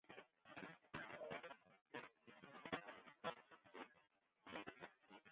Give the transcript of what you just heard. Hy hopet oer in pear wiken mei in oplossing te kommen.